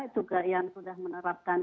juga yang sudah menerapkan